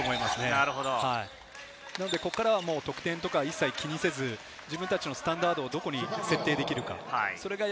ここからは得点とか一切気にせず、自分たちのスタンダードをどこに設定できるか。